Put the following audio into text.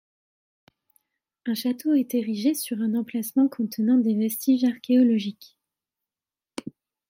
Un château est érigé sur un emplacement contenant des vestiges archéologiques.